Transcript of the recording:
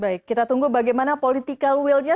baik kita tunggu bagaimana political willnya